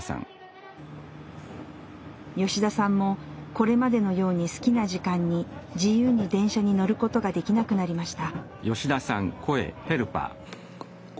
吉田さんもこれまでのように好きな時間に自由に電車に乗ることができなくなりました。